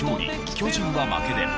巨人は負けで。